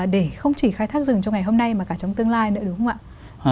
để không chỉ khai thác rừng trong ngày hôm nay mà cả trong tương lai nữa đúng không ạ